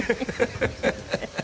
ハハハハ。